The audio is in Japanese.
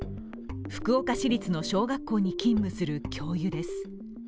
福岡市立の小学校に勤務する教諭です。